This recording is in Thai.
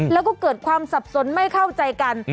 แล้วก็เกิดความสับสนไม่เข้าใจกัน